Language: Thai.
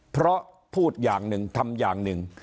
เพราะพูดอย่างหนึ่งทำอย่างหนึ่ง